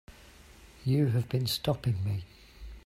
You have been stopping me.